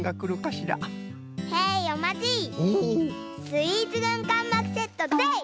スイーツぐんかんまきセットでい！